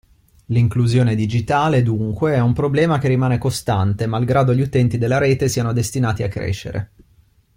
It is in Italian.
L'Inclusione Digitale dunque è un problema che rimane costante malgrado gli utenti della rete siano destinati a crescere.